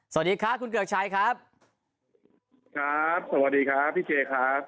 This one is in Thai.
สวัสดีครับคุณเกือกชัยครับครับสวัสดีครับพี่เจครับ